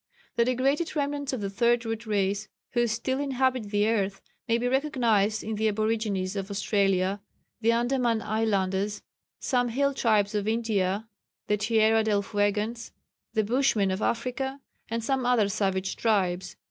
The degraded remnants of the Third Root Race who still inhabit the earth may be recognised in the aborigines of Australia, the Andaman Islanders, some hill tribes of India, the Tierra del Fuegans, the Bushmen of Africa, and some other savage tribes.